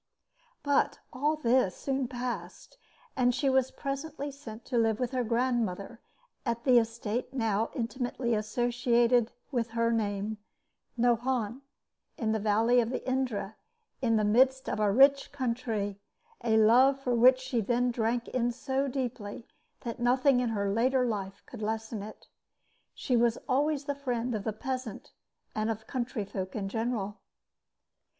But all this soon passed, and she was presently sent to live with her grandmother at the estate now intimately associated with her name Nohant, in the valley of the Indre, in the midst of a rich country, a love for which she then drank in so deeply that nothing in her later life could lessen it. She was always the friend of the peasant and of the country folk in general.